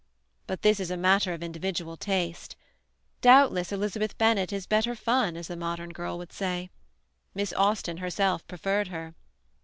But this is a matter of individual taste. Doubtless Elizabeth Bennet is "better fun" as the modern girl would say. Miss Austen herself preferred her.